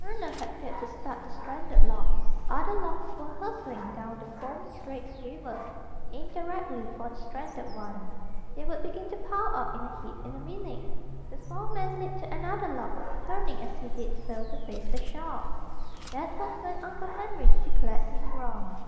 Turner had failed to start the stranded log. Other logs were hurtling down the foam streaked river, aimed directly for the stranded one. They would begin to pile up in a heap in a minute. The foreman leaped to another log, turning as he did so to face the shore. That was when Uncle Henry declared him wrong.